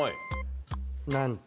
なんと。